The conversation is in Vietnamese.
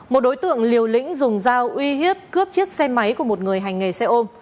một đối tượng liều lĩnh dùng dao uy hiếp cướp chiếc xe máy của một người hành nghề xe ôm